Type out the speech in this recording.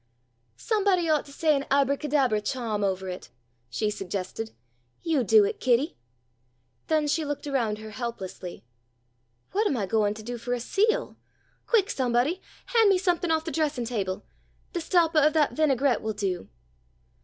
"Somebody ought to say an abracadabra charm ovah it," she suggested. "You do it, Kitty." Then she looked around her helplessly. "What am I going to do for a seal? Quick, somebody, hand me something off the dressing table. The stoppah of that vinaigrette will do."